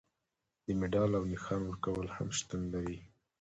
د مډال او نښان ورکول هم شتون لري.